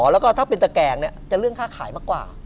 แล้วก็ถ้าเป็นตะแกงจะเรื่องค่าขายมากกว่า